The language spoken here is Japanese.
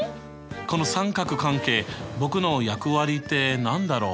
この三角関係僕の役割って何だろう？